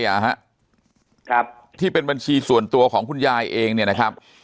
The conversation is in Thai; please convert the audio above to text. ฮะครับที่เป็นบัญชีส่วนตัวของคุณยายเองเนี่ยนะครับ